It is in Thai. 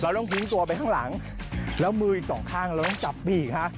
ต้องทิ้งตัวไปข้างหลังแล้วมืออีกสองข้างเราต้องจับบีกฮะ